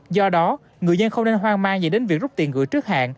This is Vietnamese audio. do đó người dân không nên hoang mang gì đến việc rút tiền gửi trước hạn